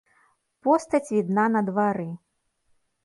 Постаць відна на двары.